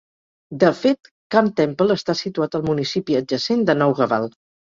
De fet, Carntemple està situat al municipi adjacent de Noughaval.